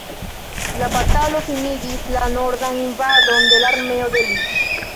La batalo finigis la nordan invadon de la armeo de Lee.